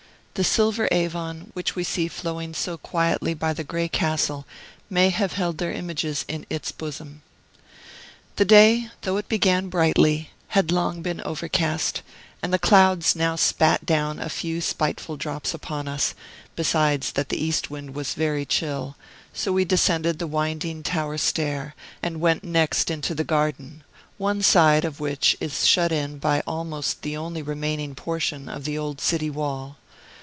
The silver Avon, which we see flowing so quietly by the gray castle, may have held their images in its bosom. The day, though it began brightly, had long been overcast, and the clouds now spat down a few spiteful drops upon us, besides that the east wind was very chill; so we descended the winding tower stair, and went next into the garden, one side of which is shut in by almost the only remaining portion of the old city wall.